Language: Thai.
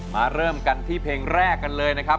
เริ่มกันที่เพลงแรกกันเลยนะครับ